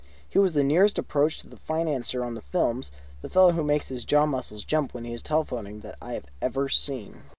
He was the nearest approach to the financier on the films, the fellow who makes his jaw muscles jump when he is telephoning, that I have ever seen.